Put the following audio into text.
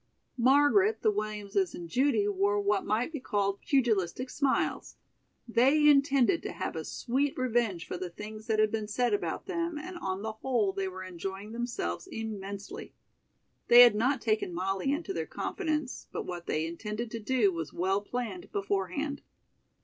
Margaret, the Williamses and Judy wore what might be called "pugilistic smiles." They intended to have a sweet revenge for the things that had been said about them and on the whole they were enjoying themselves immensely. They had not taken Molly into their confidence, but what they intended to do was well planned beforehand.